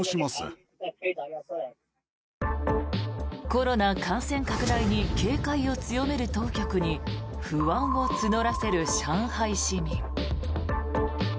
コロナ感染拡大に警戒を強める当局に不安を募らせる上海市民。